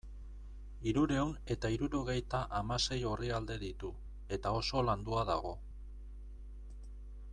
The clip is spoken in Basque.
Hirurehun eta hirurogeita hamasei orrialde ditu eta oso landua dago.